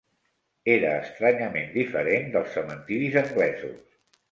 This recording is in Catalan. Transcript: Era estranyament diferent dels cementiris anglesos